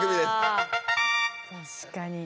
あ確かに。